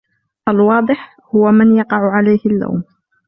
الواضح ، هو من يقع عليه اللوم.